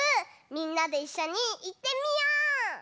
みんなでいっしょにいってみよう！